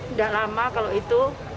tidak lama kalau itu